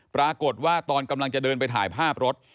ปรากฏว่าตอนกำลังจะเดินไปถ่ายภาพรถ